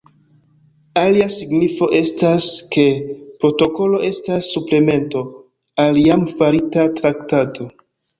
Alia signifo estas, ke protokolo estas suplemento al jam farita traktato.